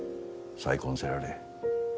再婚せられえ。